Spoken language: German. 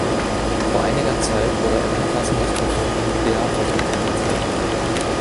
Vor einiger Zeit wurde ein umfassendes Verbot für Nuklearversuche unterzeichnet.